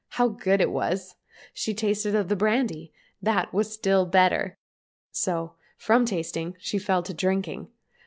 How good it was ! She tasted of the brandy. That was still better. So from tasting she fell to drinking.